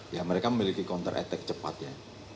ya mereka memiliki counter attack cepat ya